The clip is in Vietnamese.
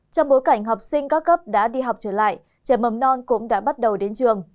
trong bối cảnh học sinh các cấp đã đi học trở lại trường mầm non cũng đã bắt đầu đến trường